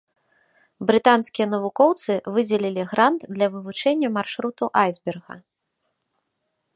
Брытанскія навукоўцы выдзелілі грант для вывучэння маршруту айсберга.